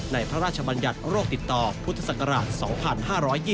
พระราชบัญญัติโรคติดต่อพุทธศักราช๒๕๒๒